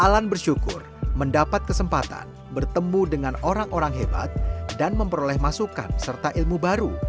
alan bersyukur mendapat kesempatan bertemu dengan orang orang hebat dan memperoleh masukan serta ilmu baru